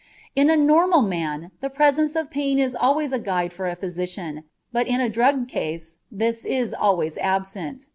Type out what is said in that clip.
In a normal man the presence of pain is always a guide for a physician, but in a drugged case this is always absent.